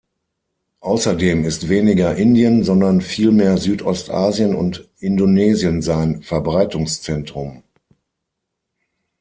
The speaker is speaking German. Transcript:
Außerdem ist weniger Indien, sondern vielmehr Südostasien und Indonesien sein Verbreitungszentrum.